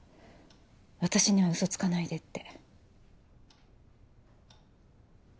私にはうそつかないでって。